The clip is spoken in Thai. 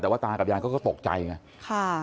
แต่วัตตากับยาตร์ก็ตกใจหมายสารมาถึงบ้าน